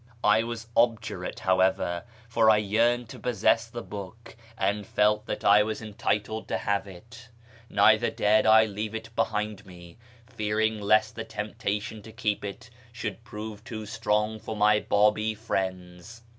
I was obdurate, however, for I yearned to possess the book, and felt that I was entitled to have it ; neither dared I leave it behind me, fearing lest the temptation to keep it should prove too strong for my Babi friends.